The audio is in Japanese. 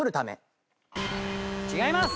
違います！